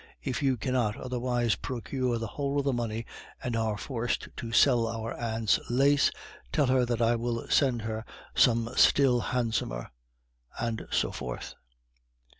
If you cannot otherwise procure the whole of the money, and are forced to sell our aunt's lace, tell her that I will send her some still handsomer," and so forth.